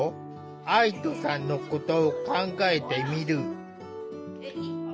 愛土さんのことを考えてみる。